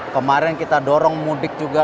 kemarin kita dorong mudik juga